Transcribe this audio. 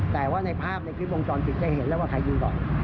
แต่ว่าในภาพในคลิปวงจรปิดจะเห็นแล้วว่าใครยิงก่อน